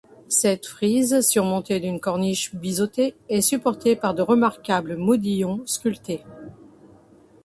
Cette frise, surmontée d'une corniche biseautée, est supportée par de remarquables modillons sculptés.